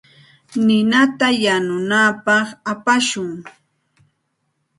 Ninata yanunapaq apashun.